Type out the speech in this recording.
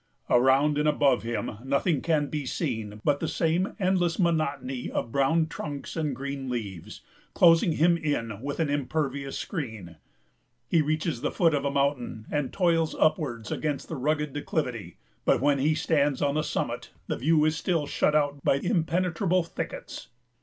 Around and above him nothing can be seen but the same endless monotony of brown trunks and green leaves, closing him in with an impervious screen. He reaches the foot of a mountain, and toils upwards against the rugged declivity; but when he stands on the summit, the view is still shut out by impenetrable thickets.